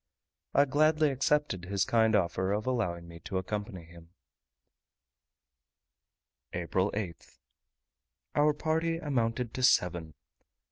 I gladly accepted his kind offer of allowing me to accompany him. April 8th. Our party amounted to seven.